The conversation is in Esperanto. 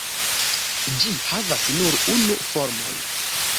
Ĝi havas nur unu formon.